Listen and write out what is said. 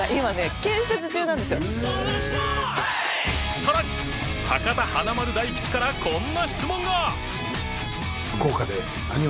さらに博多華丸・大吉からこんな質問が